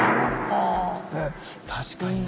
確かにな。